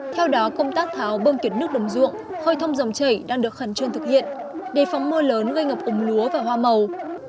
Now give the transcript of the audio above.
theo đó công tác tháo bơm kiệt nước đồng ruộng khơi thông dòng chảy đang được khẩn trương thực hiện đề phóng mưa lớn gây ngập úng lúa và hoa màu